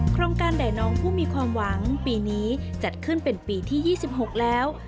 โครงการใดน้องผู้มีความหวังปีนี้จัดขึ้นเป็นปีที่๒๖แล้ว